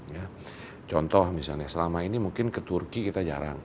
ya contoh misalnya selama ini mungkin ke turki kita jarang